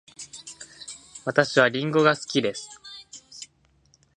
私はりんごが好きです。